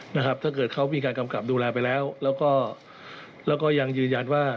ถ้าเกิดเขามีการกำกับดูแลไปแล้วแล้วก็ยังยืนยันว่า